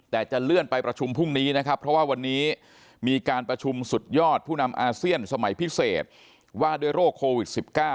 แต่จะเลื่อนไปประชุมพรุ่งนี้นะครับเพราะว่าวันนี้มีการประชุมสุดยอดผู้นำอาเซียนสมัยพิเศษว่าด้วยโรคโควิด๑๙